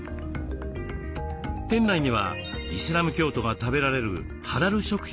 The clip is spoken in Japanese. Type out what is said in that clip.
店内にはイスラム教徒が食べられるハラル食品などもそろえました。